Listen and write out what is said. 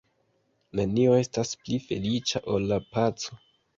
Nenio estas pli feliĉa ol la paco.